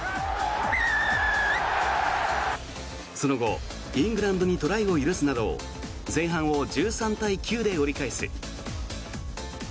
その後イングランドにトライを許すなど前半を１３対９で折り返す。